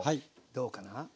どうかな？